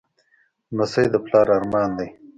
لمسی د پلار ارمان دی.